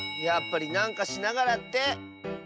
やっぱりなんかしながらって。